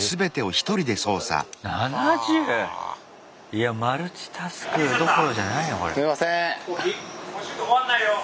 いやマルチタスクどころじゃないなこれ。